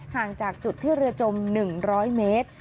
ห่างจากจุดที่เรือจม๑๐๐เมตร